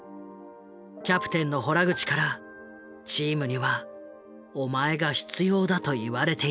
キャプテンの洞口からチームにはお前が必要だと言われていたのだ。